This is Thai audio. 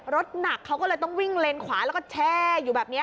รถหนักเขาก็เลยต้องวิ่งเลนขวาแล้วก็แช่อยู่แบบนี้